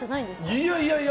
いやいやいや。